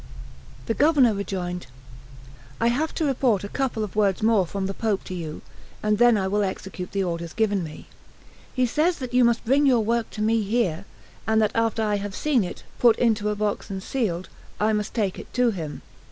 The Governor rejoined: "I have to report a couple of words more from the Pope to you, and then I will execute the orders given me. He says that you must bring your work to me here, and that after I have seen it put into a box and sealed, I must take it to him.